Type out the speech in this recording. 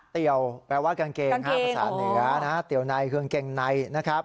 เตี๋ยวแปลว่ากางเกง๕ภาษาเหนือนะเตี๋ยวในกางเกงในนะครับ